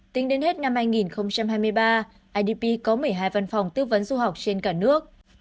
tính đến hết năm hai nghìn hai mươi ba idp có một mươi hai văn phòng tư vấn du học trên cả nước